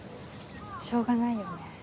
しょうがないよね。